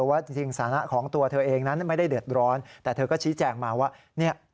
ว่าจริงสถานะของตัวเธอเองนั้นไม่ได้เดือดร้อนแต่เธอก็ชี้แจงมาว่าเนี่ย